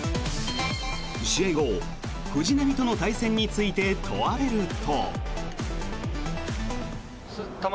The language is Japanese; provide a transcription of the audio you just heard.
試合後、藤浪との対戦について問われると。